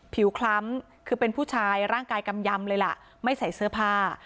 คล้ำคือเป็นผู้ชายร่างกายกำยำเลยล่ะไม่ใส่เสื้อผ้า